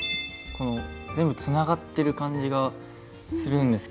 全部つながってる感じがするんですけど。